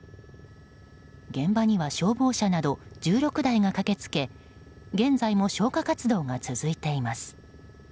現場には消防車など１６台が駆けつけ現在も消火活動が続いています。